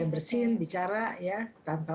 bersin bicara tanpa